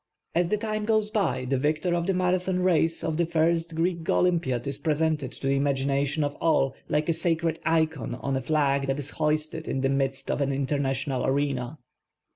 As the time goes by the victor of the Mara thon race of the first Greek Olympiad is presented to the imag ination of all like a sacred icon on a flag that is hoisted in the midst of an international arena.